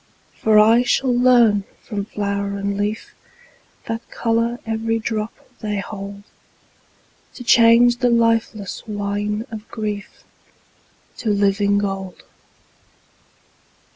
For I shall learn from flower and leaf That color every drop they hold, To change the lifeless wine of grief To living gold.